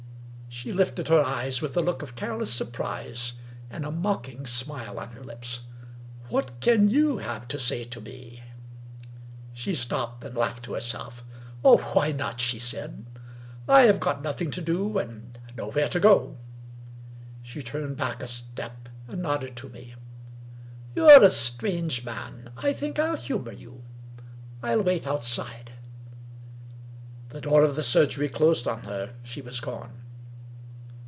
She lifted her eyes with a look of careless surprise and a mocking smile on her lips. " What can you have to say to me? " She stopped, and laughed to herself. " Why not ?" she said. " I have got nothing to do, and nowhere to go." She turned back a step, and nodded to me. " You're a strange man — I think I'll humor you — I'll wait outside." The door of the sur gery closed on her. She was gone.